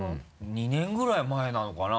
２年ぐらい前なのかな？